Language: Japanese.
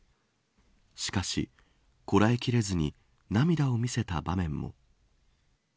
しかし、こらえきれずに涙を見せた場面も。